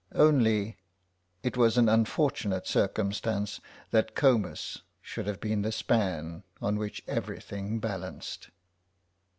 Only—it was an unfortunate circumstance that Comus should have been the span on which everything balanced.